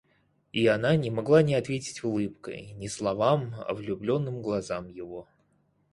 И она не могла не ответить улыбкой — не словам, а влюбленным глазам его.